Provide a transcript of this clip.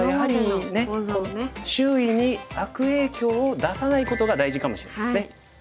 周囲に悪影響を出さないことが大事かもしれないですね。